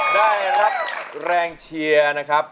ได้รับแรงเชียร์นะครับ